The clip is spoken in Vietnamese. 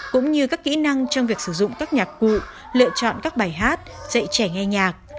cũng như các kỹ năng trong việc sử dụng các nhạc cụ lựa chọn các bài hát dạy trẻ nghe nhạc